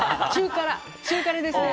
中辛ですね。